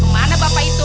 kemana bapak itu